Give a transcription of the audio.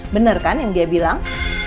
bener kan yang dia bilang